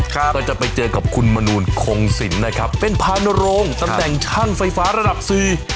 ก็จะไปเจอกับคุณมนูลคงสินนะครับเป็นพานโรงตำแหน่งช่างไฟฟ้าระดับสี่